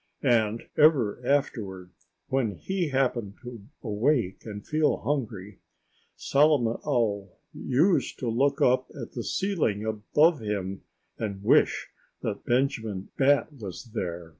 And ever afterward, when he happened to awake and feel hungry, Solomon Owl used to look up at the ceiling above him and wish that Benjamin Bat was there.